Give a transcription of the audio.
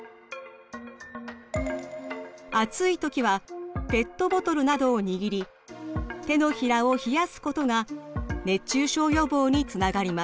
暑い時はペットボトルなどを握り手のひらを冷やすことが熱中症予防につながります。